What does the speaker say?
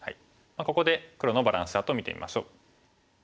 ここで黒のバランスチャートを見てみましょう。